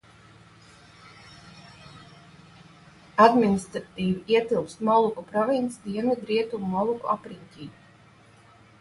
Administratīvi ietilpst Moluku provinces Dienvidrietumu Moluku apriņķī.